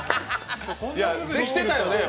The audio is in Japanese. できてたよね？